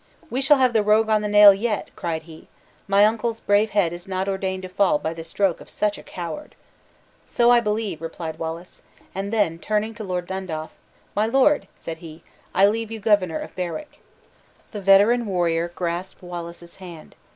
"We shall have the rogue on the nail yet," cried he; "my uncle's brave head is not ordained to fall by the stroke of such a coward!" "So I believe," replied Wallace; and then turning to Lord Dundaff "My lord," said he, "I leave you governor of Berwick." The veteran warrior grasped Wallace's hand.